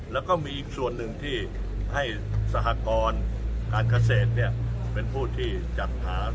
แล้วก็มีอีกส่วนหนึ่งที่ให้สหกรการเกษตรเป็นผู้ที่จัดหา